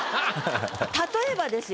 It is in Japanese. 例えばですよ